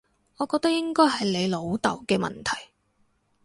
我覺得應該係你老豆嘅問題